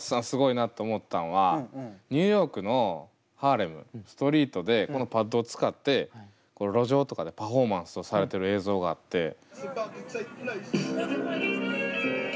すごいなと思ったんはニューヨークのハーレムストリートでこのパッドを使って路上とかでパフォーマンスをされてる映像があって。